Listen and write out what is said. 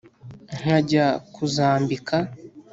nkajya kuzambika.